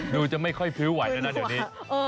ดูจะไม่ค่อยผิวไหวนะอยู่นี่